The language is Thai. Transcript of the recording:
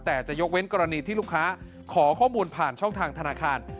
แต่จะยกเว้นกรณีที่ลูกค้าขอข้อมูลผ่านช่องทางธนาคาร